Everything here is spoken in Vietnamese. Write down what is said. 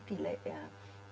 cũng phải phòng trồng béo phì